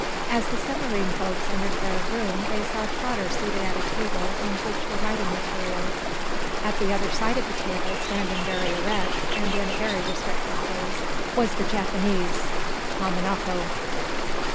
A the submarine folks entered the room they saw Trotter seated at a table on which were writing materials. At the other side of the table standing very erect, and in a very respectful pose, was the Japanese, Kamanako.